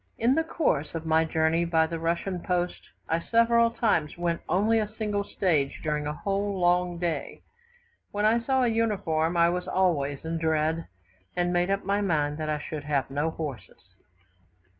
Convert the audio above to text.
In the course of my journey by the Russian post, I several times went only a single stage during a whole long day. When I saw an uniform I was always in dread, and made up my mind that I should have no horses.